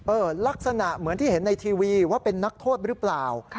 ลักษณะเหมือนที่เห็นในทีวีว่าเป็นนักโทษหรือเปล่า